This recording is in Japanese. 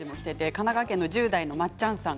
神奈川県１０代の方